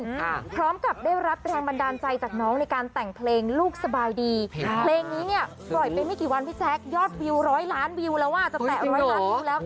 พร้อมกับได้รับแรงบันดาลใจจากน้องในการแต่งเพลงลูกสบายดีค่ะเพลงนี้เนี้ยปล่อยไปไม่กี่วันพี่แจ๊คยอดวิวร้อยล้านวิวแล้วอ่ะจะแตะร้อยล้านวิวแล้ว